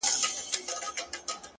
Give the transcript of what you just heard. o کله شات کله شکري پيدا کيږي،